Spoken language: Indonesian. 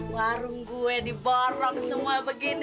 warung gue diborong semua begini